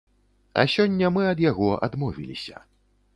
А сёння мы ад яго адмовіліся.